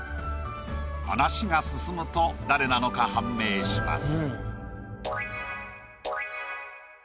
話が進むと誰なのか判明します。